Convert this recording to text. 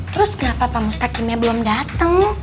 terus kenapa pamustakimnya belum datang